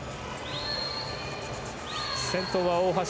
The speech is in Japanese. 先頭は大橋。